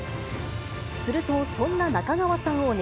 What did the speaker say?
すると、そんな中川さんをね